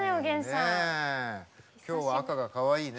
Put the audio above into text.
今日は赤がかわいいね。